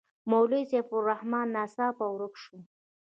مولوي سیف الرحمن ناڅاپه ورک شو.